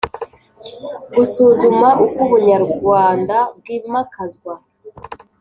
Gusuzuma uko ubunyarwanda bw’imakazwa